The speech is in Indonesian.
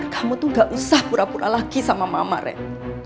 kamu tidak perlu lagi berpura pura sama mama ren